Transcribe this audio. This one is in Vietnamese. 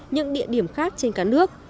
những địa điểm khác trên cả nước